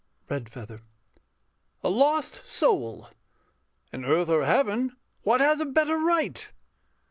REDFEATHER. A lost soul. In earth or heaven What has a better right?